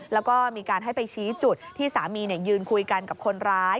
แล้วก็มีการให้ไปชี้จุดที่สามียืนคุยกันกับคนร้าย